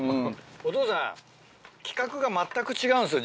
お父さん企画が全く違うんですよ